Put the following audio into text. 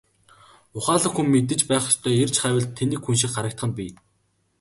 Ухаалаг хүн мэдэж байх ёстойгоо эрж хайвал тэнэг хүн шиг харагдах нь бий.